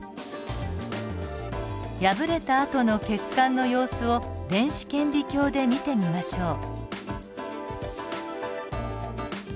破れたあとの血管の様子を電子顕微鏡で見てみましょう。